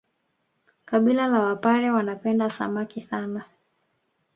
Kabila la wapare wanapenda Samaki sana